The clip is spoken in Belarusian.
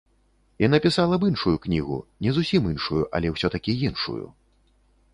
І напісала б іншую кнігу, не зусім іншую, але ўсё-такі іншую.